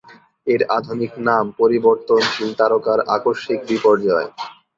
এর আধুনিক নামঃ পরিবর্তনশীল তারকার আকস্মিক বিপর্যয়।